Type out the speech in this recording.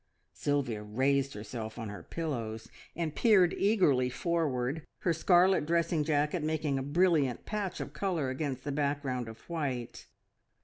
Sylvia raised herself on her pillows and peered eagerly forward, her scarlet dressing jacket making a brilliant patch of colour against the background of white.